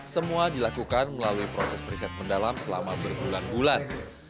semua dilakukan melalui proses riset mendalam selama berbulan bulan